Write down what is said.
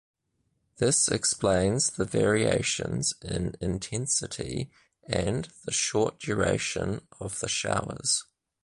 This explains the variations in intensity and the short duration of the showers.